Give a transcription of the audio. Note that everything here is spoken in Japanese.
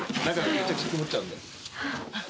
めちゃくちゃ曇っちゃうんで。